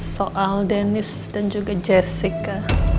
soal denis dan juga jessica